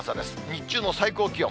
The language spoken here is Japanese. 日中の最高気温。